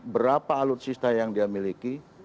berapa alutsista yang dia miliki